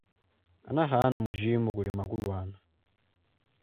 Kanahan mujibu kuli makulwana.